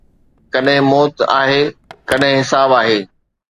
ڪڏهن موت آهي، ڪڏهن حساب آهي